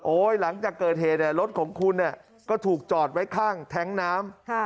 หลังจากเกิดเหตุรถของคุณก็ถูกจอดไว้ข้างแท้งน้ำ